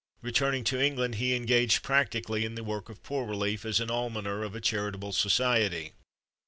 Returning to England, he engaged practically in the work of poor relief as an almoner of a charitable society.